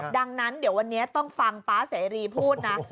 ดังนั้นเดี๋ยววันนี้ต้องฟังป๊าเสรีพูดนะ